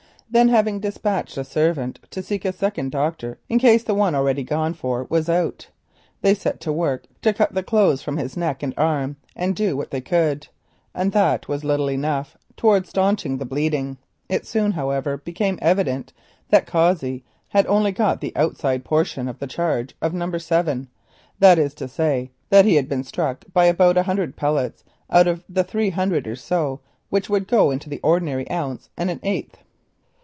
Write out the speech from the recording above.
Then, having despatched a servant to seek a second doctor in case the one already gone for was out, they set to work to cut the clothes from his neck and arm, and do what they could, and that was little enough, towards staunching the bleeding. It soon, however, became evident that Cossey had only got the outside portion of the charge of No. 7 that is to say, he had been struck by about a hundred pellets of the three or four hundred which would go to the ordinary ounce and an eighth.